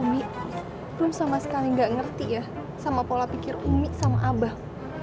umi sama sekali nggak ngerti ya sama pola pikir umi sama abah